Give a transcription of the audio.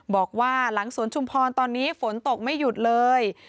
บอกว่าหลังสวนชุมพรตอนนี้ฝนตกไม่หยุดเลย